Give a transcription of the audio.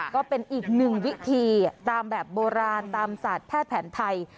ก็เป็นอีกหนึ่งวิธีตามแบบโบราณตามศาสตร์แพทย์แผนไทย